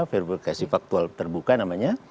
verifikasi faktual terbuka namanya